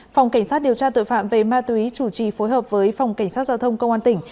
phòng cảnh sát điều tra tội phạm về ma túy chủ trì phối hợp với phòng cảnh sát giao thông công an tỉnh